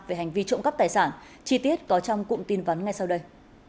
về hành vi trộm cắp tài sản chi tiết có trong cụm tin vắn ngay sau đây